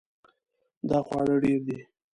دا خواړه ډیر دي